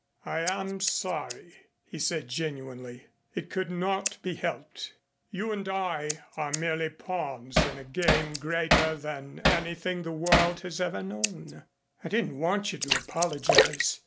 "I am sorry," he said genuinely. "It could not be helped. You and I are merely pawns in a game greater than anything the world has ever known." "I didn't want you to apologize.